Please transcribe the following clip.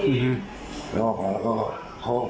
พี่ยืดลายมาพอก็ถูกแล้วก็ถูกแล้วก็ถูก